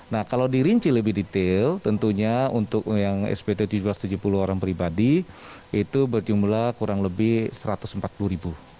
nah kalau dirinci lebih detail tentunya untuk yang spt tujuh ratus tujuh puluh orang pribadi itu berjumlah kurang lebih satu ratus empat puluh ribu